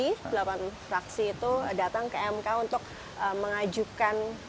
delapan fraksi itu datang ke mk untuk mengajukan